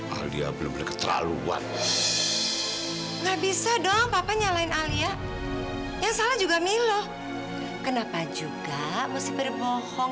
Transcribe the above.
alia belum berketeraluan